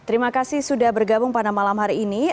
terima kasih sudah bergabung pada malam hari ini